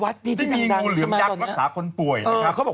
อ๋อวัดนี่ที่ดังดังใช่ไหมแต่มีงูเหลือมยักษ์รักษาคนป่วยครับ